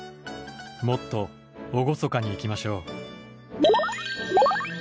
もっと厳かにいきましょう。